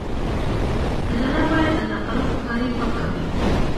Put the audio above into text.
اداره باید له تقلب کارۍ پاکه وي.